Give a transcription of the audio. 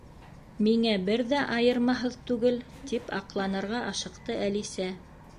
—Миңә бер ҙә айырмаһыҙ түгел, —тип аҡланырға ашыҡты Әлисә.